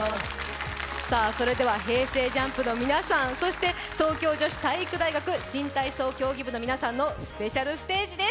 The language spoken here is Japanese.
ＪＵＭＰの皆さんそして東京女子体育大学新体操競技部の皆さんのスペシャルステージです。